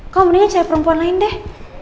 kamu mendingan cari perempuan lain deh